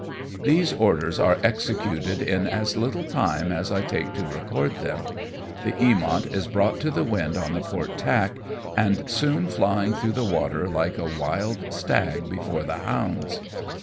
These orders are executed in as little time as I take to record them ; the Eamont is brought to the wind on E 50 AMONG TYPHOONS AND PIRATE CRAFT. the port tack, and is soon flying through the water like a wild stag before the hounds.